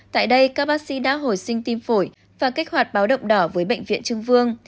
tại đây các bác sĩ đã hồi sinh tim phổi và kích hoạt báo động đỏ với bệnh viện trưng vương